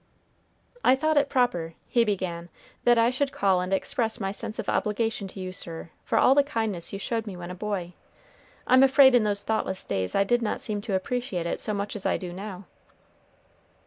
"I thought it proper," he began, "that I should call and express my sense of obligation to you, sir, for all the kindness you showed me when a boy. I'm afraid in those thoughtless days I did not seem to appreciate it so much as I do now."